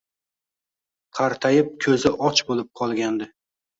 Qartayib ko`zi och bo`lib qolgandi